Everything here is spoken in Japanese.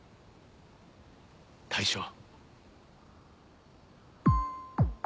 大将。